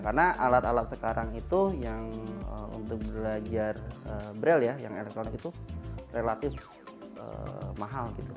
karena alat alat sekarang itu yang untuk belajar braille ya yang elektronik itu relatif mahal gitu